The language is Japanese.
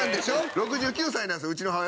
６９歳なんですよ、うちの母親。